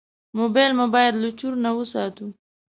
موبایل مو باید له چور نه وساتو.